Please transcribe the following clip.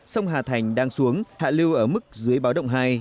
sông hà thành đang xuống hạ lưu ở mức dưới báo động hai